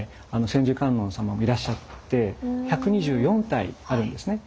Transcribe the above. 千手観音様もいらっしゃって１２４体あるんですね。